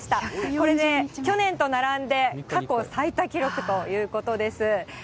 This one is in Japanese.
これで去年と並んで、過去最多記録ということです。